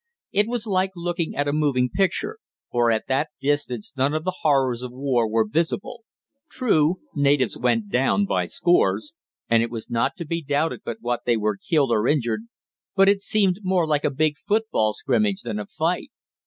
It was like looking at a moving picture, for at that distance none of the horrors of war were visible. True, natives went down by scores, and it was not to be doubted but what they were killed or injured, but it seemed more like a big football scrimmage than a fight.